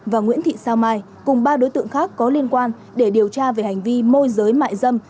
và nguyễn thị sao mai cùng ba đối tượng khác có liên quan để điều tra về hành vi môi giới mại dâm